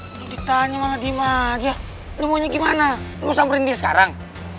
woy ditanya sama ladimah aja lo mau nyamperin dia sekarang